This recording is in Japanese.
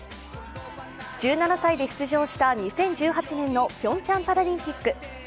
１７歳で出場した２０１８年のピョンチャンパラリンピック。